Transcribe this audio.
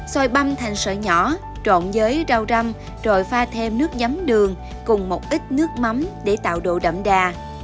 xoài băm thành sợi nhỏ trộn với rau răm rồi pha thêm nước nhắm đường cùng một ít nước mắm để tạo độ đậm đà